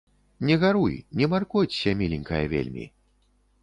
Не гаруй, не маркоцься, міленькая, вельмі.